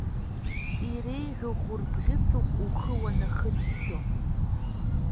Иреиӷьу хәырбӷьыцуп ухы уанахыччо.